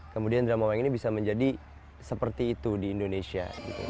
kemudian drama wayang ini bisa menjadi seperti itu di indonesia